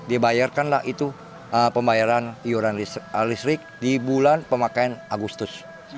dibayarkanlah itu pembayaran iuran listrik di bulan pemakaian agustus